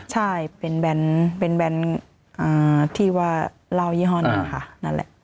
ใช่เป็นแบนด์ที่ว่าเล่ายี่ห้อนั่นค่ะ